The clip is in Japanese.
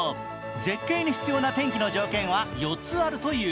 絶景に必要な天気の条件は４つあるという。